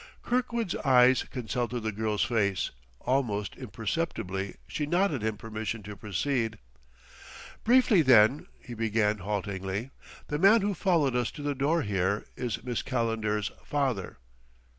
Kirkwood's eyes consulted the girl's face; almost imperceptibly she nodded him permission to proceed. "Briefly, then," he began haltingly, "the man who followed us to the door here, is Miss Calendar's father."